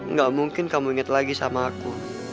gak mungkin kamu inget lagi sama aku